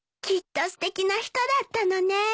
きっとすてきな人だったのね。